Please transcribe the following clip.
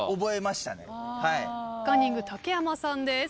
カンニング竹山さんです。